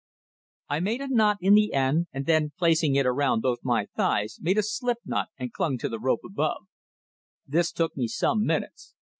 I made a knot in the end, then, placing it around both my thighs, made a slip knot and clung to the rope above. This took me some minutes.